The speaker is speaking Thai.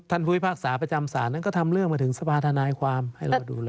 ท่านภูมิภาคสาประจำสารนั้นก็ทำเรื่องมาถึงสภาทานายความให้เราดูแล